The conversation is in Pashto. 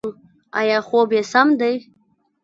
ایا خوب یې سم دی؟